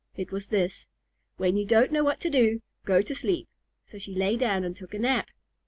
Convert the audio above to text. It was this: "When you don't know what to do, go to sleep." So she lay down and took a nap.